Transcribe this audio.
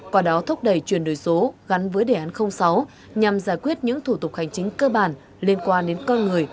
quả đó thúc đẩy chuyển đổi số gắn với đề án sáu nhằm giải quyết những thủ tục hành chính cơ bản liên quan đến con người